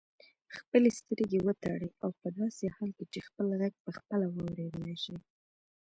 خپلې سترګې وتړئ او په داسې حال کې چې خپل غږ پخپله واورېدلای شئ.